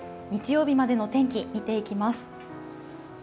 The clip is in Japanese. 日曜日までの天気を見ていきます。